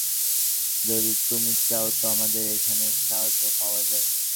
যদি তুমি চাও তো আমাদের এখানে শার্ট ও পাওয়া যায়।